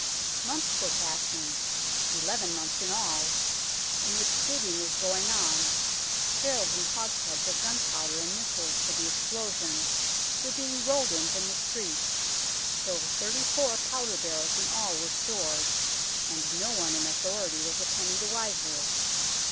Months were passing eleven months in all in which digging was going on, barrels and hogsheads of gun powder and missiles for the explosion were being rolled in from the street, till thirty four powder barrels in all were stored, and no one in authority was a penny the wiser.